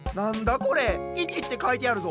これ「１」ってかいてあるぞ。